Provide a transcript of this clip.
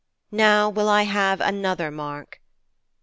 Now will I have another mark.'